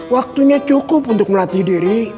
waktunya cukup untuk melatih diri